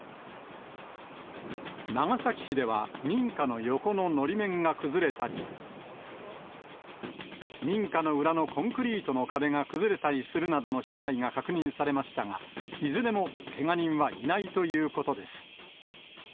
長崎市では、民家の横ののり面が崩れたり、民家の裏のコンクリートの壁が崩れたりするなどの被害が確認されましたが、いずれもけが人はいないということです。